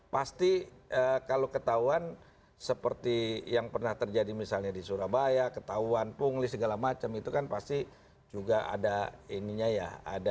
pasti kalau ketahuan seperti yang pernah terjadi misalnya di surabaya ketahuan pungli segala macam itu kan pasti juga ada ininya ya